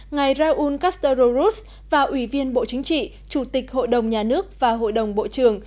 ngài raúl castro ruz và ủy viên bộ chính trị chủ tịch hội đồng nhà nước và hội đồng bộ trưởng